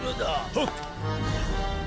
はっ！